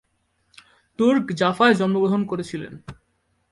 Turk জাফায় জন্মগ্রহণ করেছিলেন।